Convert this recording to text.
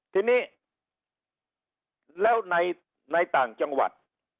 ทีนี้แล้วในต่างจังหวัด